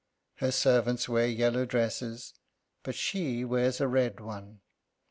Her servants wear yellow dresses, but she wears a red one.